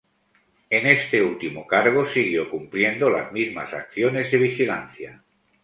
En este último cargo siguió cumpliendo las mismas acciones de vigilancia.